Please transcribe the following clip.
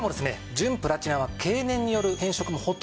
純プラチナは経年による変色もほとんどなくですね